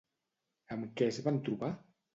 Amb què es van trobar?